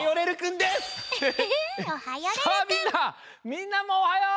みんなもおはよう！